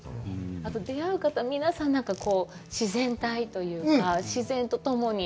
あと出会う方、皆さん自然体というか、自然とともに。